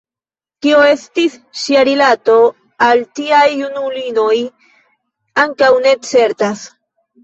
Kio estis ŝia rilato al tiaj junulinoj, ankaŭ ne certas.